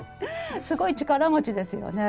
すごい力持ちですよね。